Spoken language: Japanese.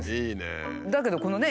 だけどこのね